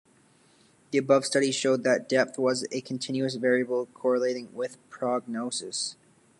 The above studies showed that depth was a continuous variable correlating with prognosis.